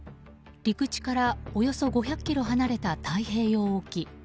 陸地からおよそ５００ｋｍ離れた太平洋沖。